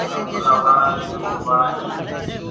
اب لآبآرآ شروُ هوآݪآ هينٚ۔